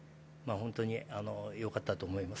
本当によかったと思います。